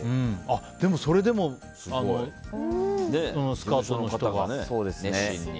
でもそれでもスカウトの人が熱心に。